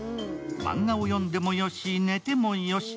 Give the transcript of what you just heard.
漫画を読んでもよし、寝てもよし。